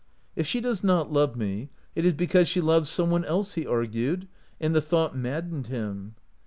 " If she does not love me it is be cause she loves some one else," he argued, and the thought maddened him.